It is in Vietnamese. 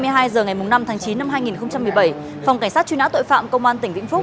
hai mươi hai h ngày năm tháng chín năm hai nghìn một mươi bảy phòng cảnh sát truy nã tội phạm công an tỉnh vĩnh phúc